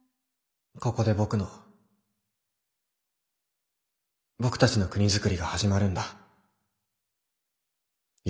ここで僕の僕たちの国づくりが始まるんだユキ。